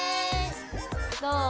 どう？